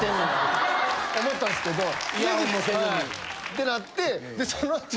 てなって。